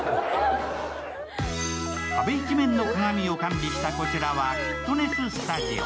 壁一面の鏡を完備したこちらはフィットネススタジオ。